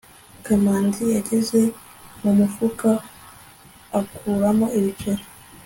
kamanzi yageze mu mufuka akuramo ibiceri